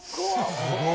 すごい。